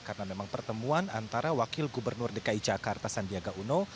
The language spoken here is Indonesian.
karena memang pertemuan antara wakil gubernur dki jakarta sandiaga uno